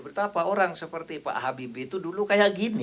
betapa orang seperti pak habibie itu dulu kayak gini